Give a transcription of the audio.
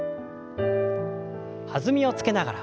弾みをつけながら。